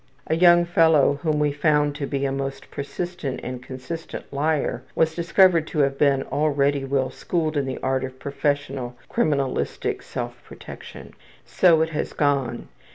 A young fellow whom we found to be a most persistent and consistent liar was discovered to have been already well schooled in the art of professional criminalistic self protection. So it has gone.